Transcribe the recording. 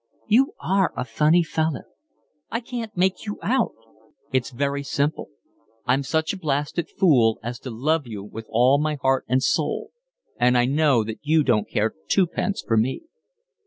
"You are a funny feller. I can't make you out." "It's very simple. I'm such a blasted fool as to love you with all my heart and soul, and I know that you don't care twopence for me."